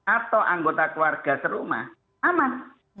atau anggota keluarga serumah aman